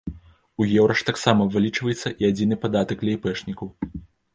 У еўра ж таксама вылічваецца і адзіны падатак для іпэшнікаў.